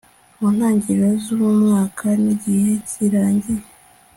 Mu ntangiriro zumwaka nigihe kirangiye